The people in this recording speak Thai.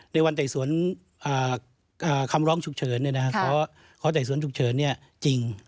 ในวันไต่สวนคำร้องฉุกเฉินขอไต่สวนฉุกเฉินจริง